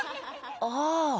ああ。